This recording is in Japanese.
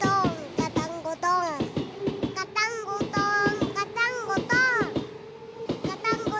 ガタンゴトーンガタンゴトーン。